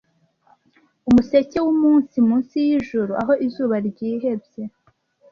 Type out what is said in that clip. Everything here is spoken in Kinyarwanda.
Umuseke wumunsi munsi yijuru aho izuba ryihebye;